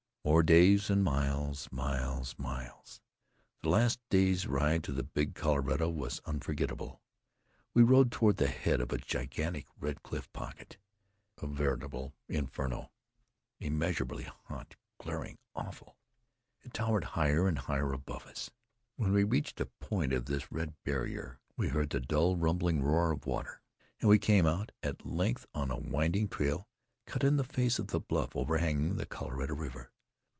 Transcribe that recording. More days, and miles, miles, miles! The last day's ride to the Big Colorado was unforgettable. We rode toward the head of a gigantic red cliff pocket, a veritable inferno, immeasurably hot, glaring, awful. It towered higher and higher above us. When we reached a point of this red barrier, we heard the dull rumbling roar of water, and we came out, at length, on a winding trail cut in the face of a blue overhanging the Colorado River.